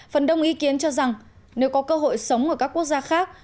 phần đông ý kiến cho rằng nếu có cơ hội sống ở các quốc gia khác